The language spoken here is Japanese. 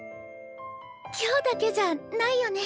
今日だけじゃないよね？